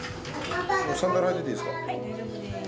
サンダル履いてていいですか？